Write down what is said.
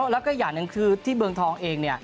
แล้วก็อย่างหนึ่งคือที่เมืองทองเอง